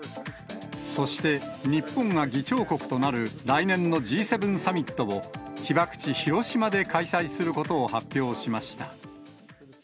そして、日本が議長国となる来年のＧ７サミットを、被爆地、広島で開催することを発表しました。